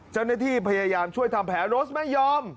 เจ้าหน้าที่พยายามช่วยทำแผลโรสไม่ยอม